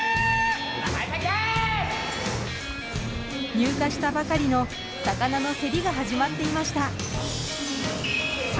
入荷したばかりの魚の競りが始まっていました。